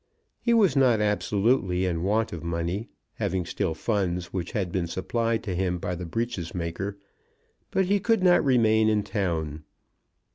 He was not absolutely in want of money, having still funds which had been supplied to him by the breeches maker. But he could not remain in town.